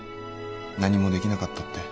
何もできなかったって。